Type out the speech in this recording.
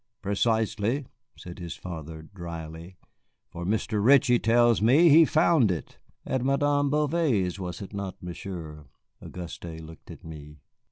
"Precisely," said his father, dryly, "for Mr. Ritchie tells me he found it at Madame Bouvet's, was it not, Monsieur?" Auguste looked at me.